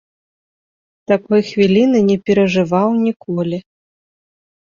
Такой хвіліны не перажываў ніколі.